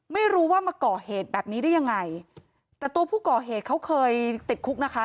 ไม่รู้ว่ามาก่อเหตุแบบนี้ได้ยังไงแต่ตัวผู้ก่อเหตุเขาเคยติดคุกนะคะ